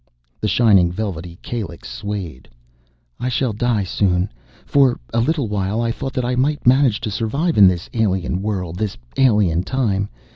The shining velvety calyx swayed. "I shall die soon. For a little while I thought that I might manage to survive in this alien world, this alien time.